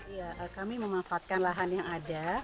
iya kami memanfaatkan lahan yang ada